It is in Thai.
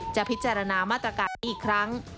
จะพิจารณามาตรการอีกครั้ง